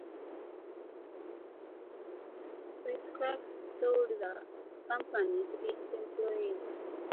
Chris-Craft sold the company to its employees.